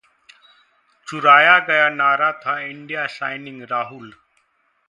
चुराया गया नारा था 'इंडिया शाइनिंग': राहुल